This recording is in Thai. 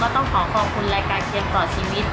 ต้องขอขอบคุณรายการเกมต่อชีวิต